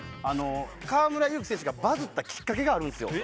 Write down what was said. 河村勇輝選手がバズったきっかけがあるんですよ。